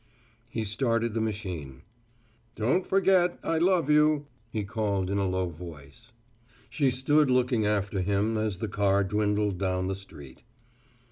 He started the machine. "Don't forget I love you," he called in a low voice. She stood looking after him as the car dwindled down the street.